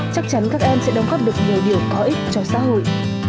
chắc chắn các em sẽ đóng góp được nhiều điều có ích cho xã hội